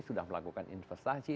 sudah melakukan investasi